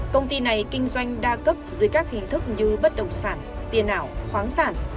công ty này kinh doanh đa cấp dưới các hình thức như bất động sản tiền ảo khoáng sản